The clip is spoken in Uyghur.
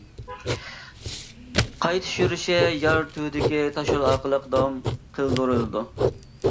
قايتىش يۈرۈشى يار تۈۋىدىكى تاشيول ئارقىلىق داۋام قىلدۇرۇلىدۇ.